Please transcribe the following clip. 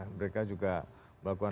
mereka juga melakukan